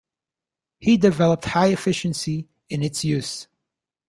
He developed high efficiency in its use.